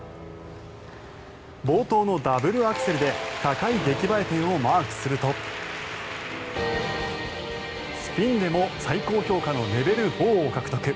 冒頭のダブルアクセルで高い出来栄え点をマークするとスピンでも最高評価のレベル４を獲得。